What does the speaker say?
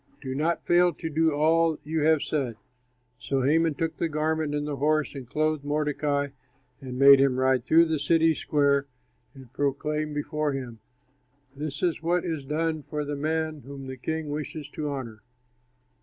Do not fail to do all you have said." So Haman took the garment and the horse and clothed Mordecai, and made him ride through the city square and proclaimed before him, "This is what is done for the man whom the king wishes to honor."